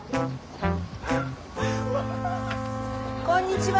こんにちは！